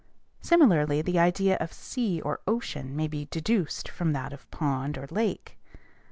Similarly, the idea of sea or ocean may be deduced from that of pond or lake.